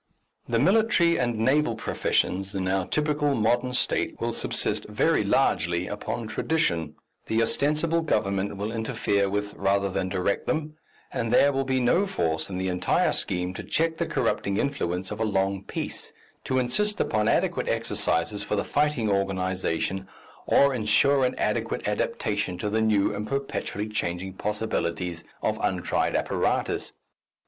The military and naval professions in our typical modern State will subsist very largely upon tradition, the ostensible government will interfere with rather than direct them, and there will be no force in the entire scheme to check the corrupting influence of a long peace, to insist upon adequate exercises for the fighting organization or ensure an adequate adaptation to the new and perpetually changing possibilities of untried apparatus.